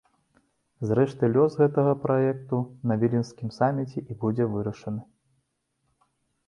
Зрэшты, лёс гэтага праекту на віленскім саміце і будзе вырашаны.